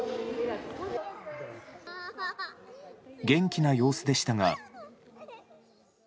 元気な様子でしたが。